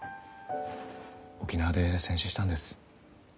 沖縄で戦死したんです。